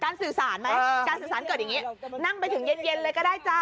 การสื่อสารเกิดอย่างงี้นั่งไปถึงเย็นเย็นเลยก็ได้จ้า